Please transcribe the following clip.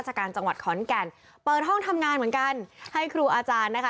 การจังหวัดขอนแก่นเปิดห้องทำงานเหมือนกันให้ครูอาจารย์นะคะ